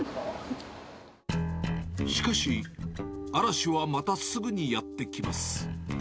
しかし、嵐はまたすぐにやって来ます。